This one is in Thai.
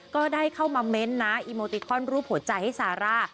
ก็ได้เข้ามาเม้นต์นะอีโมติคอนรูปหัวใจให้ซาร่า